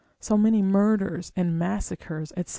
so many murders and massacres, &c.